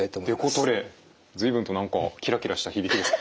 随分と何かキラキラした響きですが。